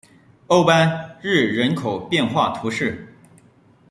欧班日人口变化图示